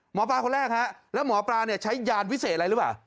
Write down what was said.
หมอปลาคนแรกฮะแล้วหมอปลาเนี่ยใช้ยานวิเศษอะไรหรือเปล่า